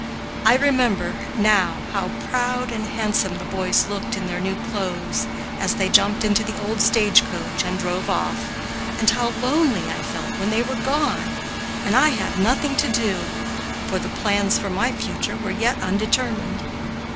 I remember, now, how proud and handsome the boys looked in their new clothes, as they jumped into the old stage coach and drove off, and how lonely I felt when they were gone and I had nothing to do, for the plans for my future were yet undetermined.